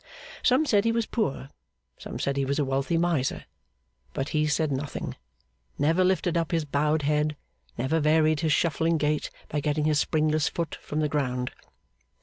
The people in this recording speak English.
Some said he was poor, some said he was a wealthy miser; but he said nothing, never lifted up his bowed head, never varied his shuffling gait by getting his springless foot from the ground.